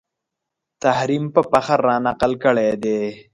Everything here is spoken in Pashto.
تحریم په فخر رانقل کړی دی